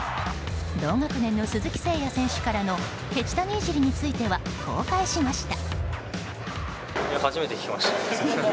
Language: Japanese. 同学年の鈴木誠也選手からのケチ谷いじりについてはこう返しました。